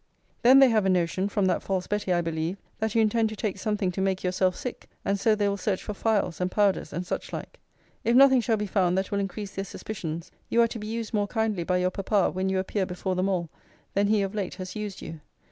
Then they have a notion, from that false Betty I believe, that you intend to take something to make yourself sick; and so they will search for phials and powders and such like. If nothing shall be found that will increase their suspicions, you are to be used more kindly by your papa when you appear before them all, than he of late has used you.